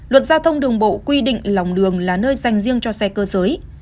luật giao thông đường bộ quy định lòng đường là nơi dành riêng cho xe cơ giới